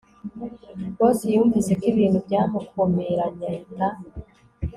Boss yumvise ko ibintu byamukomeranye ahita